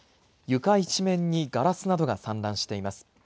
床一面にガラスなどが散乱しています。